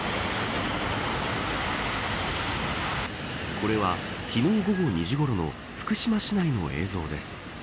これは昨日午後２時ごろの福島市内の映像です。